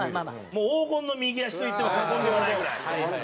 もう黄金の右足と言っても過言ではないぐらい。